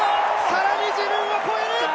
更に自分を超える！